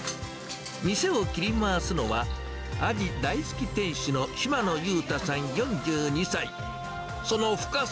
店を切り回すのは、アジ大好き店主の嶌野雄太さん４２歳。